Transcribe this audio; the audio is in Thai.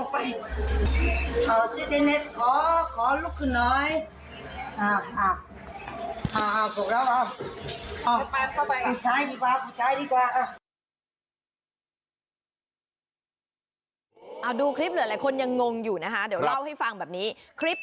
มึงจะไปที่นี่